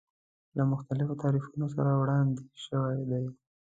له مختلفو تعریفونو سره وړاندې شوی دی.